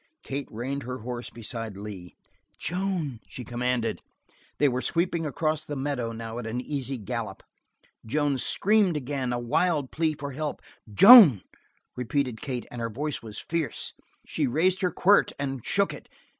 Kate reined her horse beside Lee. "Joan!" she commanded. They were sweeping across the meadow now at an easy gallop. Joan screamed again, a wild plea for help. "Joan!" repeated Kate, and her voice was fierce. She raised her quirt and shook it.